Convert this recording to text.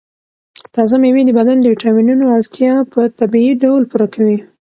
تازه مېوې د بدن د ویټامینونو اړتیا په طبیعي ډول پوره کوي.